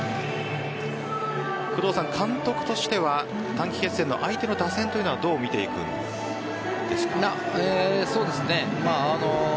工藤さん、監督としては短期決戦の相手の打線というのはどう見ていくんですか？